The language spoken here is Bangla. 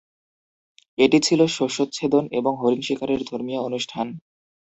এটি ছিল শস্যচ্ছেদন এবং হরিণ শিকারের ধর্মীয় অনুষ্ঠান।